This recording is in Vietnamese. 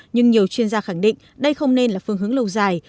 nhưng nhiều chuyên gia khẳng định đây không nên là phương hướng lâu dài